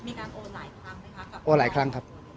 มีการโอนหลายครั้งไหมครับ